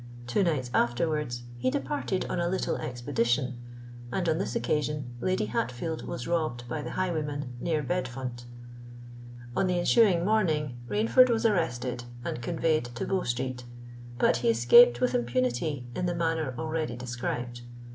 Two nights afterwards he departed on a little expedition; and on this occasion Lady Hatfield was robbed by the highwayman near Bedfont. On the ensuing morning Rainford was arrested, and conveyed to Bow Street; but he escaped with impunity, in the manner already described.